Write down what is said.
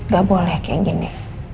gak boleh kayak gini